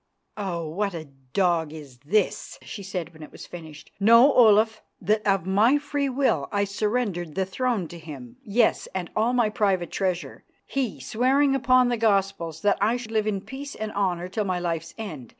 "Oh, what a dog is this!" she said when it was finished. "Know, Olaf, that of my free will I surrendered the throne to him, yes, and all my private treasure, he swearing upon the Gospels that I should live in peace and honour till my life's end.